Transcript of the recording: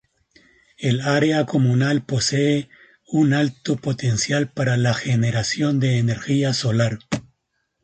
El área comunal posee un alto potencial para la generación de energía solar.